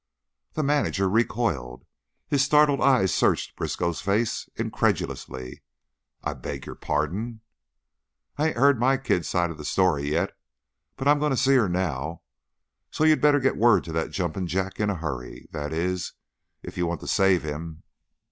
The manager recoiled; his startled eyes searched Briskow's face incredulously. "I beg pardon?" "I 'ain't heard my kid's side of the story yet, but I'm goin' to see her now, so you better get word to that jumpin' jack in a hurry. That is, if you want to save him."